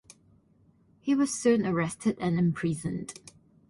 He was soon arrested and imprisoned.